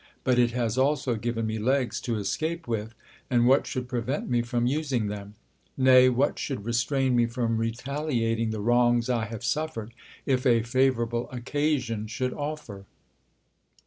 But it has alf;o given me legs to escape with ; and what should prevent me from using them ? Nay, what should restrain me from retaliating the wrongs I have sulTered, if a favourable occasion should offer